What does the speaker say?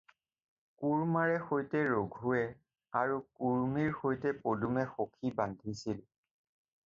কোৰ্ম্মাৰে সৈতে ৰঘুৱে আৰু কুৰ্ম্মীৰ সৈতে পদুমে সখি বন্ধাইছিল।